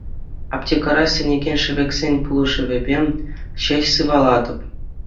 Аптекӑра сӗнекен шӗвексен пулӑшӑвӗпе ҫеҫ сывалатӑп.